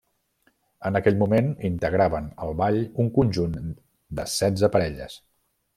En aquell moment integraven el ball un conjunt de setze parelles.